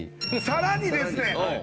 さらにですね